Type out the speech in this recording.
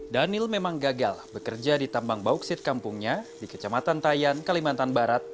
daniel memang gagal bekerja di tambang bauksit kampungnya di kecamatan tayan kalimantan barat